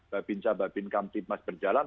babinca babin kamtimas berjalan